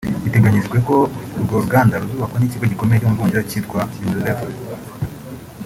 Biteganyijwe ko urwo ruganda ruzubakwa n’ikigo gikomeye cyo mu Bwongereza cyitwa Unilever